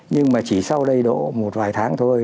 nhưng mà chỉ sau đây đỗ một vài tháng thôi